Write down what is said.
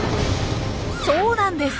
そうなんです。